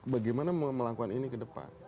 bagaimana melakukan ini ke depan